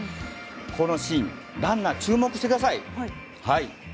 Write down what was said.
このシーンはランナー、注目してください。